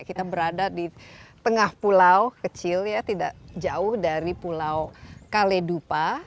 kita berada di tengah pulau kecil ya tidak jauh dari pulau kaledupa